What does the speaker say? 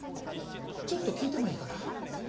ちょっと聞いてもいいかな？